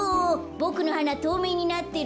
ボクのはなとうめいになってる？